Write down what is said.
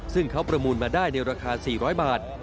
ซึ่งเขาประมูลมาได้ในราคา๔๐๐บาท